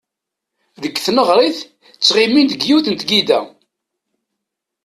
Deg tneɣrit ttɣimin deg yiwet n tgida.